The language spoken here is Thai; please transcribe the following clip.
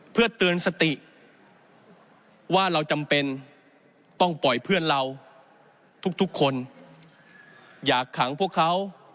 เพื่อเตือนสติว่าเราจำเป็นต้องปล่อยเพื่อนเราทุกคนอยากขังพวกเขา